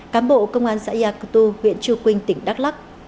cán bộ công an xã yà cơ tu huyện chư quynh tỉnh đắk lắc